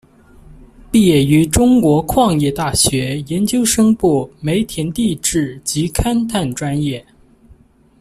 毕业于中国矿业大学研究生部煤田地质及勘探专业。